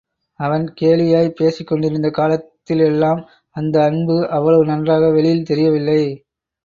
அவன் கேலியாகப் பேசிக் கொண்டிருந்த காலத்திலெல்லாம் அந்த அன்பு அவ்வளவு நன்றாக வெளியில் தெரியவில்லை.